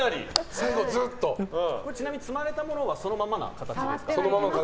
ちなみに積まれたものはそのままの形ですか？